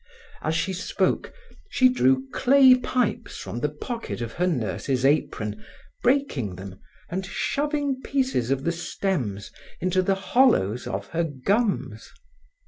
As she spoke she drew clay pipes from the pocket of her nurse's apron, breaking them and shoving pieces of the stems into the hollows of her gums.